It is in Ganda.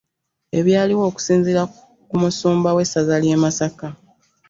Byaliwo okusinziira ku musumba w'essaza lye Masaka